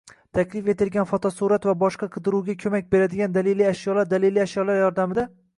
Taklif etilganlar fotosurat va boshqa qidiruvga ko‘mak beradigan daliliy ashyolar daliliy ashyolar yordamida